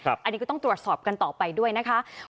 อันนี้ก็ต้องตรวจสอบกันต่อไปด้วยนะคะ